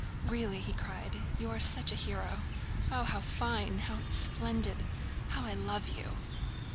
"Really!" he cried, "you are such a hero! Oh, how fine, how splendid! How I love you!"